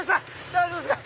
大丈夫ですか？